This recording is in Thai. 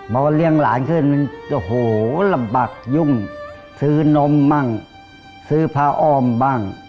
พอเลี้ยงหลานขึ้นมันจะโหลำบากยุ่งซื้อนมบ้างซื้อผ้าอ้อมบ้าง